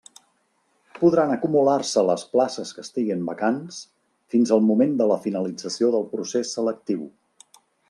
Podran acumular-se les places que estiguen vacants fins al moment de la finalització del procés selectiu.